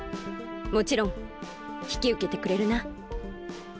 もちろんひきうけてくれるな？